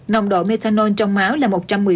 nồng độ methanol trong máu là